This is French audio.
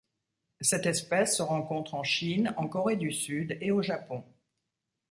Cette espèce se rencontre en Chine, en Corée du Sud et au Japon.